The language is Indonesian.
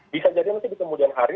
bisa jadi nanti di kemudian hari